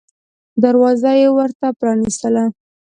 دروازه یې ورته پرانیستله.